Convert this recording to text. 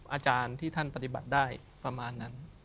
อาจารย์ที่ท่านปฏิบัติได้ประมาณนั้น